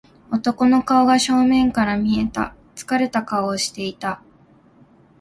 男の顔が正面から見えた。疲れた顔をしていた。